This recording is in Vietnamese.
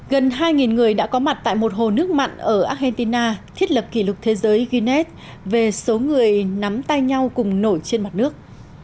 gần hai người đã có mặt tại một hồ nước mặn ở argentina thiết lập kỷ lục thế giới guinnes về số người nắm tay nhau cùng nổi trên mặt nước